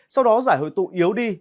sau đó giải hội tụ yếu đi